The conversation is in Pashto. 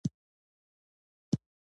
زه یوه مقاله لیکم.